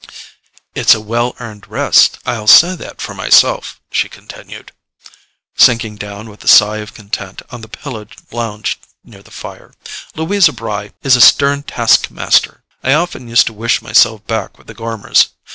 "It's a well earned rest: I'll say that for myself," she continued, sinking down with a sigh of content on the pillowed lounge near the fire. "Louisa Bry is a stern task master: I often used to wish myself back with the Gormers.